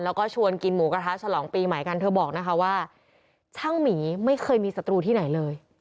แล้วก็ชวนกินหมูกระทะฉลองปีใหม่กันเธอบอกนะคะว่าช่างหมีไม่เคยมีศัตรูที่ไหนเลย